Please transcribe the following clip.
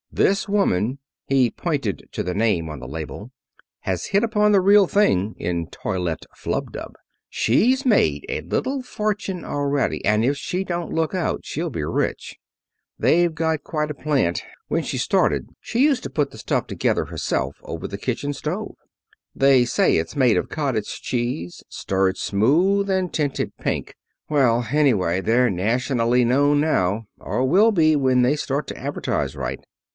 This woman," he pointed to the name on the label, "has hit upon the real thing in toilette flub dub. She's made a little fortune already, and if she don't look out she'll be rich. They've got quite a plant. When she started she used to put the stuff together herself over the kitchen stove. They say it's made of cottage cheese, stirred smooth and tinted pink. Well, anyway they're nationally known now or will be when they start to advertise right."